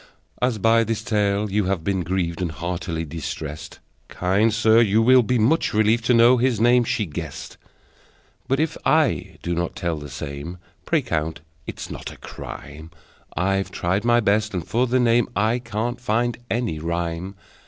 As by this tale you have been grieved And heartily distressed, Kind sir, you will be much relieved To know his name she guessed: But if I do not tell the same, Pray count it not a crime: I've tried my best, and for that name I can't find any rhyme!